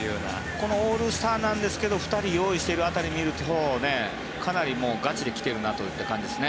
このオールスターなんですけど２人用意している辺りを見るとかなりガチで来てるなという感じですね。